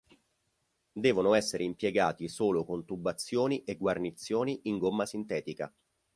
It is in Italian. Devono essere impiegati solo con tubazioni e guarnizioni in gomma sintetica.